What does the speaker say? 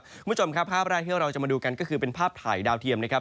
คุณผู้ชมครับภาพแรกที่เราจะมาดูกันก็คือเป็นภาพถ่ายดาวเทียมนะครับ